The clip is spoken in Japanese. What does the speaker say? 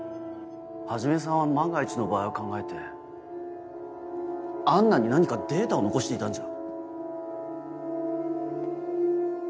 始さんは万が一の場合を考えてアンナに何かデータを残していたんじゃ。